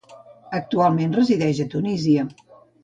Actualment resideix a Tunísia.